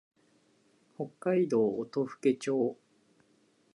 北海道音更町